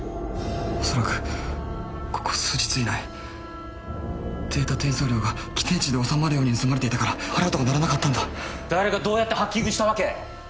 恐らくここ数日以内データ転送量が規定値で収まるように盗まれていたからアラートが鳴らなかったんだ誰がどうやってハッキングしたわけ？